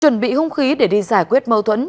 chuẩn bị hung khí để đi giải quyết mâu thuẫn